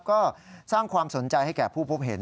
ก็สร้างความสนใจให้แก่ผู้พบเห็น